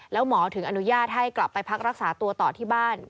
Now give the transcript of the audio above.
แล้วหมอถึงอนุญาตให้กลับไปพักรักษาตัวต่อที่บ้าน